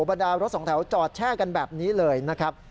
บรรดารถสองแถวจอดแช่กันแบบนี้เลยนะครับ